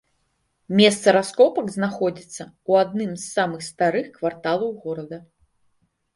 Месца раскопак знаходзіцца у адным з самых старых кварталаў горада.